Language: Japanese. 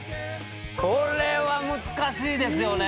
これは難しいですよね。